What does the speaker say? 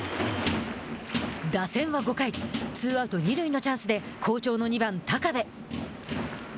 打線は５回ツーアウト、二塁のチャンスで好調の２番高部。